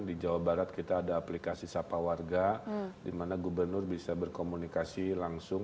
di jawa barat kita ada aplikasi sapa warga di mana gubernur bisa berkomunikasi langsung